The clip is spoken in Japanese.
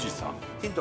ヒント